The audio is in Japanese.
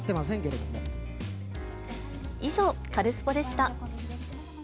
以上、カルスポっ！でした。